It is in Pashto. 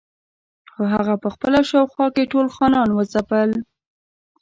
خو هغه په خپله شاوخوا کې ټول خانان وځپل.